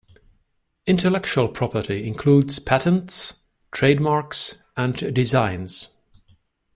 Intellectual property includes patents, trademarks and designs